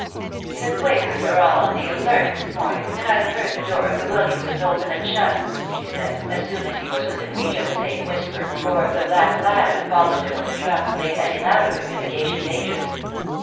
" The quak(.TS are all on the alert this morning, and I have heard the door of the Williamses open and shut," she said, as soon as he was within reach of a safe whisper, for the black lad who followed him with a truck made any louder communication danger ous.